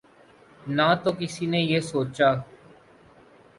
نہ تو کسی نے یہ سوچا